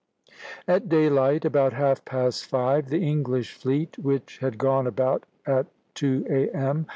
At daylight (about half past five) the English fleet, which had gone about at two A.M.